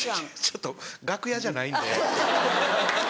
ちょっと楽屋じゃないんで。